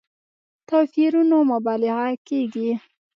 توپيرونو مبالغه کېږي.